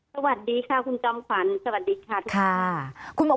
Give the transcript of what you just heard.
สวัสดีค่ะคุณจอมฟันสวัสดีค่ะทุกคน